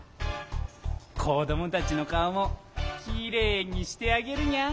こどもたちのかおもきれいにしてあげるにゃん。